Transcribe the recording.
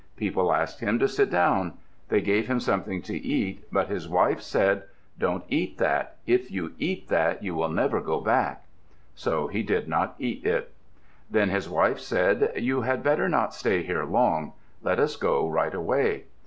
People asked him to sit down. They gave him something to eat, but his wife said, "Don't eat that. If you eat that you will never get back." So he did not eat it. Then his wife said, "You had better not stay here long. Let us go right away."